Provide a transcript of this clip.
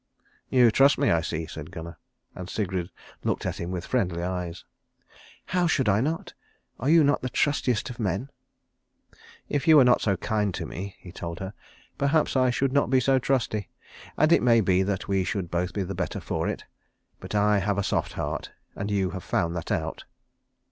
"You trust me, I see," said Gunnar, and Sigrid looked at him with friendly eyes. "How should I not? Are you not the trustiest of men?" "If you were not so kind to me," he told her, "perhaps I should not be so trusty. And it may be that we should both be the better for it. But I have a soft heart, and you have found that out."